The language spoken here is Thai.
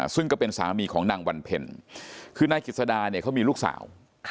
ซึ่งก็เป็นสามีของนางวันเพ็ญคือนายกิจสดาเนี่ยเขามีลูกสาว